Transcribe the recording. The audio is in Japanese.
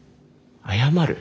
謝る？